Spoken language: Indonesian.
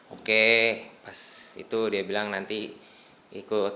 oke pas itu dia bilang nanti ikut